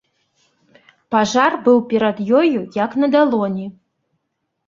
Пажар быў перад ёю як на далоні.